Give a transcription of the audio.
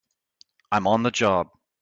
I'm on the job!